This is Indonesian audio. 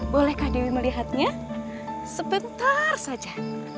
boleh kak dewi melihatnya sebentar saja